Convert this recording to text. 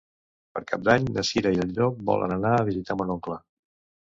Per Cap d'Any na Cira i en Llop volen anar a visitar mon oncle.